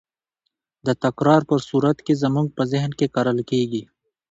د تکرار په صورت کې زموږ په ذهن کې کرل کېږي.